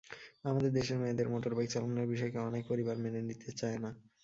আমাদের দেশের মেয়েদের মোটরবাইক চালানোর বিষয়কে অনেক পরিবার মেনে নিতে চায় না।